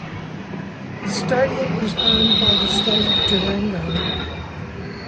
The stadium is owned by the state of Durango.